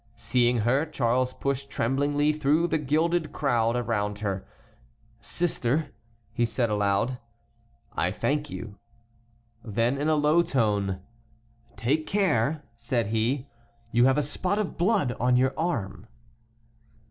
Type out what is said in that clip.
Seeing her, Charles pushed tremblingly through the gilded crowd around her. "Sister," said he, aloud, "I thank you." Then in a low tone: "Take care!" said he, "you have a spot of blood on your arm."